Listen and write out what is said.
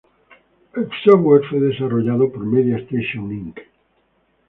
El software fue desarrollado por Media Station Inc.